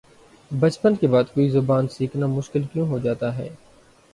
بچپن کے بعد کوئی زبان سیکھنا مشکل کیوں ہوجاتا ہے